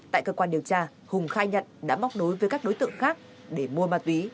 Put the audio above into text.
tại cơ quan điều tra hùng khai nhận đã móc nối với các đối tượng khác để mua ma túy